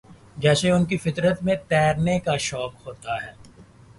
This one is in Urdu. جیسے کہ ان کی فطر ت میں تیرنے کا شوق ہوتا ہے